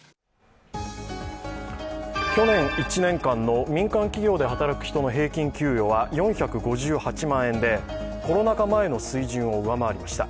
去年１年間の民間企業で働く人の平均給与は４５８万円で、コロナ禍前の水準を上回りました。